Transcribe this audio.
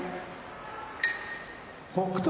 北勝